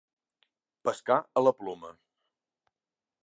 Pescar a la ploma.